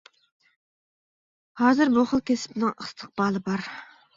ھازىر بۇ خىل كەسپىنىڭ ئىستىقبالى بار.